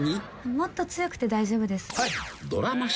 「もっと強くて大丈夫です」